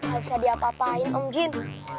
gak bisa diapa apain om jin